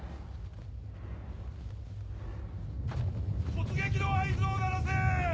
突撃の合図を鳴らせ！